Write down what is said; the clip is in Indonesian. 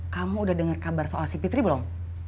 kamu udah denger kabar soal si fitri belum